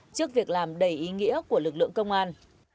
trước việc làm đầy ý nghĩa của lực lượng công an